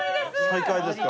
再会ですか。